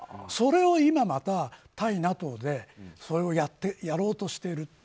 それを今、また対ＮＡＴＯでそれをやろうとしている。